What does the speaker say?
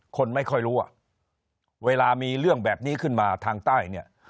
คนไม่ค่อยรู้อ่ะเวลามีเรื่องแบบนี้ขึ้นมาทางใต้เนี่ย